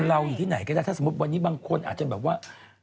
อยู่ที่ไหนก็ได้ถ้าสมมุติวันนี้บางคนอาจจะแบบว่า